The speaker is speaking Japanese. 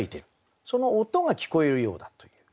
その音が聞こえるようだという。